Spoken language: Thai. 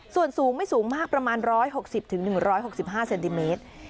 ส่วนสูงไม่สูงมากประมาณ๑๖๐๑๖๕เซนติเมตร